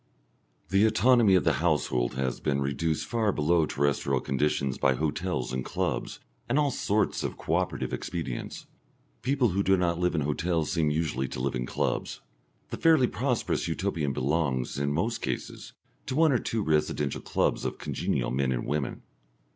The autonomy of the household has been reduced far below terrestrial conditions by hotels and clubs, and all sorts of co operative expedients. People who do not live in hotels seem usually to live in clubs. The fairly prosperous Utopian belongs, in most cases, to one or two residential clubs of congenial men and women.